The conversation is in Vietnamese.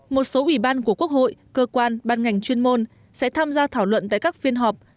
một số ủy ban của quốc hội cơ quan ban ngành chuyên môn sẽ tham gia thảo luận tại các phiên họp